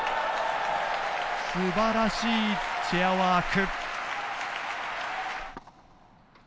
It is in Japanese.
すばらしいチェアワーク。